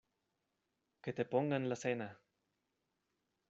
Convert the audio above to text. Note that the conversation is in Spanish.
Que te pongan la cena.